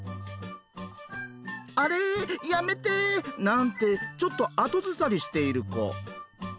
「あれやめて」なんてちょっと後ずさりしている子。